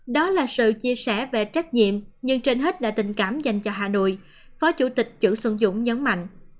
đó là sự chia sẻ về trách nhiệm nhưng trên hết là tình cảm dành cho hà nội phó chủ tịch chữ xuân dũng nhấn mạnh